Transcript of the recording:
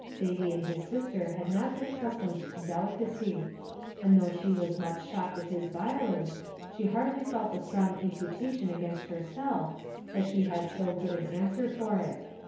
Thady and his sister had not been accustomed to delicacy; and though she was much shocked at his violence, she hardly felt the strong imputation against herself, as she had so good an answer for it.